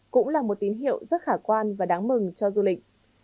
cũng là một tín hiệu rất khả quan và đáng mừng cho du lịch